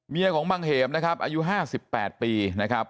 ของบังเหมนะครับอายุ๕๘ปีนะครับ